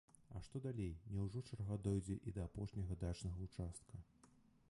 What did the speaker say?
А што далей, няўжо чарга дойдзе і да апошняга дачнага ўчастка?